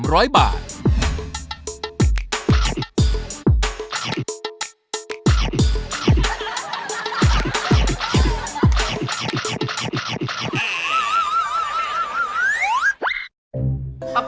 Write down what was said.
โปรดติดตามตอนต่อไป